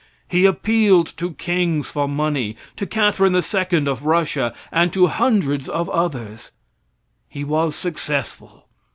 He appealed to kings for money, to Catherine II of Russia, and to hundreds of others. He was successful.